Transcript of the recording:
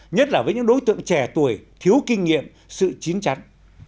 nhất là với những đối tượng trẻ tuổi thiếu kinh nghiệm sự chín chắn